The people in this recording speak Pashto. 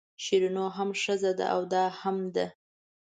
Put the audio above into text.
شیرینو هم ښځه ده او دا هم ده.